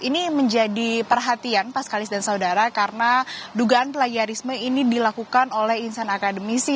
ini menjadi perhatian pak sekali dan saudara karena dugaan plagiarisme ini dilakukan oleh insan akademisi